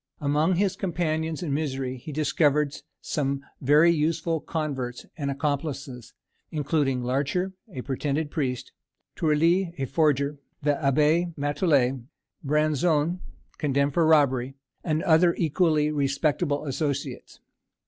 Among his companions in misery he discovered some very useful converts or accomplices, including Larcher, a pretended priest; Tourly, a forger; the Abbé Matouillet; Branzon, condemned for robbery; and other equally respectable associates.